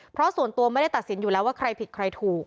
เพราะส่วนตัวไม่ได้ตัดสินอยู่แล้วว่าใครผิดใครถูก